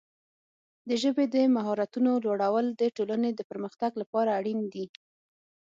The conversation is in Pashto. د ژبې د مهارتونو لوړول د ټولنې د پرمختګ لپاره اړین دي.